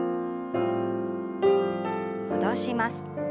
戻します。